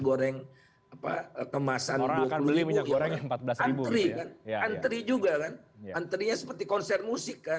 goreng apa kemasan orang akan beli minyak goreng rp empat belas ya antri juga kan antri nya seperti konser musik kan